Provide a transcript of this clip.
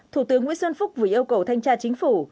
thủ tướng nguyễn xuân phúc vừa yêu cầu thanh tra chính phủ